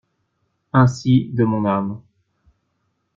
Ainsi de mon âme.